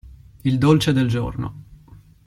Il dolce del giorno.